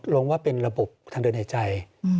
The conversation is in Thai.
ลงว่าเป็นระบบทางเดินหายใจ